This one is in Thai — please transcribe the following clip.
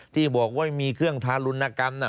ที่บอกว่ามีเครื่องทารุณกรรมน่ะ